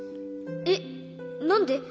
えっなんで？